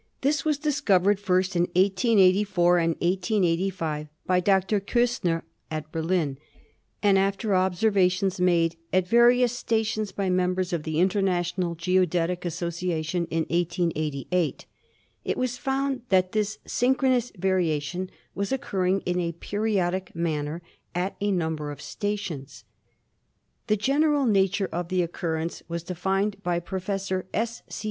This was discovered first in 1884 and 1885 by Dr. Kiistner at Berlin, and after observations made at various stations by members of the International Geodetic Association in 1888, it was found that this synchronous variation was oc curring in a periodic manner at a number of stations. The general nature of the occurrence was denned by Prof. S. C.